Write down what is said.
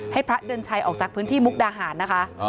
พระเดือนชัยออกจากพื้นที่มุกดาหารนะคะ